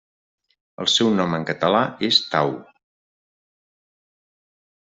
El seu nom en català és Tau.